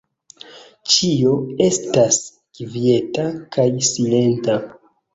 Ĉio estas kvieta kaj silenta.